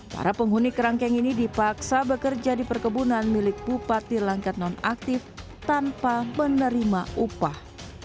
para penghuni kerangkeng ini dipaksa bekerja di perkebunan milik bupati langkat nonaktif tanpa menerima upah